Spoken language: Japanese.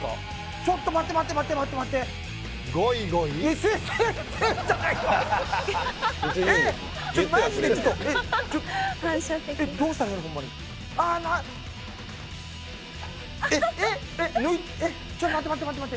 ちょっと待ってちょっと待って待って待って待って！